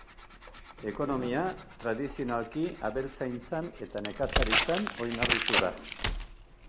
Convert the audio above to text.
Ekonomia tradizionalki abeltzaintzan eta nekazaritzan oinarritu da.